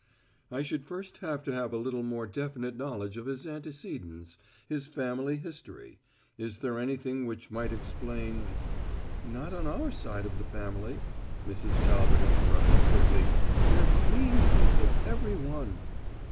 "I should first have to have a little more definite knowledge of his antecedents, his family history. Is there anything which might explain " "Not on our side of the family," Mrs. Talbot interrupted quickly, "they're clean people, every one."